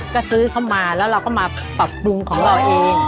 ก็ซื้อเข้ามาแล้วเราก็มาปรับปรุงของเราเอง